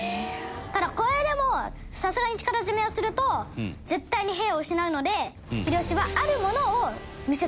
ただこれでもさすがに力攻めをすると絶対に兵を失うので秀吉はあるものを見せ付けたんです。